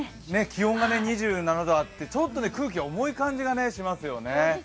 気温が２７度あって、空気が重い感じがしますよね。